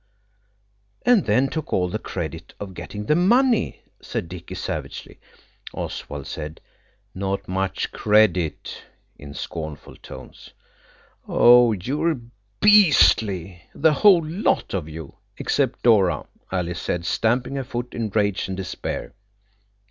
"And then took all the credit of getting the money," said Dicky savagely. Oswald said, "Not much credit," in scornful tones. "Oh, you are beastly, the whole lot of you, except Dora!" Alice said, stamping her foot in rage and despair.